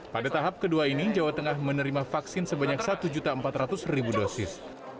pada tahap kedua ini jawa tengah menerima vaksin sebanyak satu empat ratus dosis